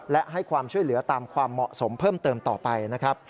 และให้ความช่วยเหลือตามความเหมาะสมเพิ่มเติมต่อไปนะครับ